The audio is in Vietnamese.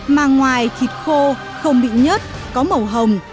mà ngoài thịt khô không bị nhớt có màu hồng